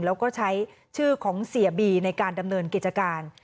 แล้วก็ใช้ชื่อของเสียบีในการดำเนินกิจการ